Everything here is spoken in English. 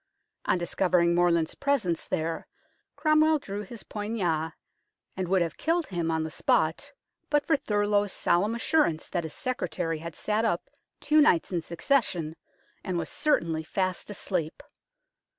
On discovering Morland's presence there Cromwell drew his poignard, and would have killed him on the spot but for Thurloe's solemn assurance that his secretary had sat up two nights in succession, and was certainly fast asleep.